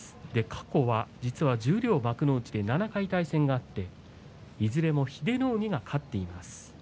過去は実は十両、幕内で７回対戦があっていずれも英乃海が勝っています。